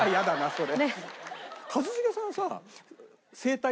それ。